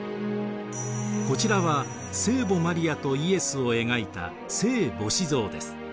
こちらは聖母マリアとイエスを描いた聖母子像です。